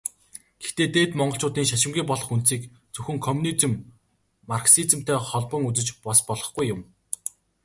Гэхдээ Дээд Монголчуудын шашингүй болох үндсийг зөвхөн коммунизм, марксизмтай холбон үзэж бас болохгүй юм.